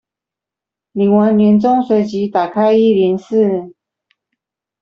領完年終隨即打開一零四